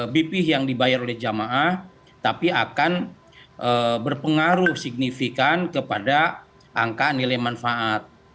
bp yang dibayar oleh jamaah tapi akan berpengaruh signifikan kepada angka nilai manfaat